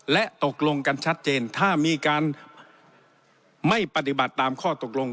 และตกลงกันชัดเจนถ้ามีการไม่ปฏิบัติตามข้อตกลง